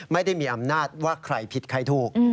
ไม่ได้มีอำนาจว่าใครผิดใครถูก